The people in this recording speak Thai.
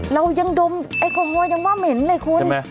เรายังดมแอลกอฮอลยังว่าเหม็นเลยคุณ